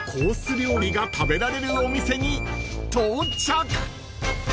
料理が食べられるお店に到着］